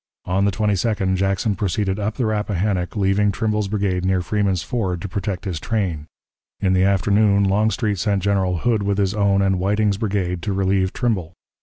On the 22d Jackson proceeded up the Rappahannock, leaving Trimble's brigade near Freeman's Ford to protect his train. In the afternoon Longstreet sent General Hood with his own and Whiting's brigade to relieve Trimble.